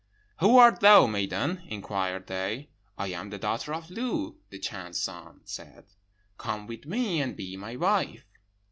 "'Who art thou, maiden?' inquired they. 'I am the daughter of Lu.' The Chan's son said, 'Come with me, and be my wife.'